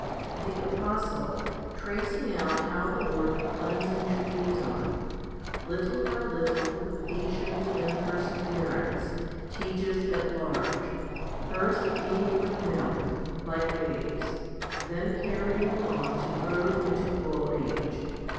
3 The apostle, tracing out how the work of cleansing should be done, little by little with patience and perseverance, teaches at large, first feeding with milk, like babes, then carrying on to growth and to full age.